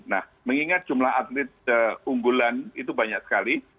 nah mengingat jumlah atlet unggulan itu banyak sekali